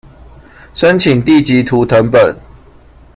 申請地籍圖謄本